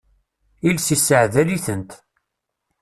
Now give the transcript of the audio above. Iles isseɛdal-itent.